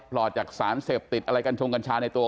รอดจากสารเสพติดอะไรกัญชงกัญชาในตัว